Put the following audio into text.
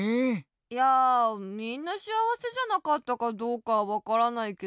いやみんなしあわせじゃなかったかどうかわからないけど。